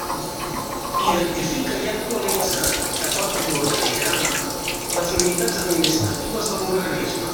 Identifica i actualitza, d'acord amb l'organigrama, les unitats administratives de l'organisme.